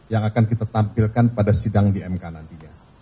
yang akan kita tampilkan pada sidang di mk nantinya